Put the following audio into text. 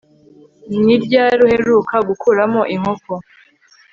Ni ryari uheruka gukuramo inkoko